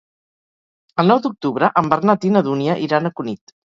El nou d'octubre en Bernat i na Dúnia iran a Cunit.